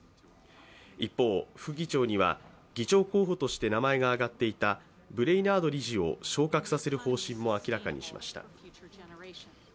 一方、副議長には議長候補として名前が挙がっていたブレイナード理事を昇格させる方針も明らかにしました。